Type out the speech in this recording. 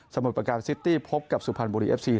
มุดประการซิตี้พบกับสุพรรณบุรีเอฟซี